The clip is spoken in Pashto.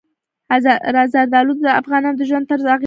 زردالو د افغانانو د ژوند طرز اغېزمنوي.